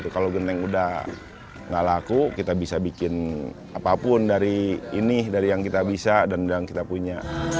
kalau genteng udah gak laku kita bisa bikin apapun dari ini dari yang kita bisa dan yang kita punya